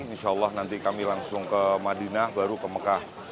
insya allah nanti kami langsung ke madinah baru ke mekah